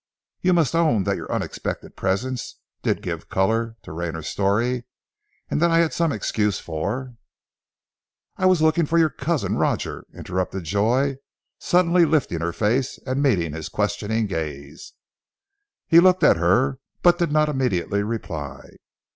You must own that your unexpected presence did give colour to Rayner's story, and that I had some excuse for " "I was looking for your cousin Roger," interrupted Joy, suddenly lifting her face, and meeting his questioning gaze. He looked at her but did not immediately reply.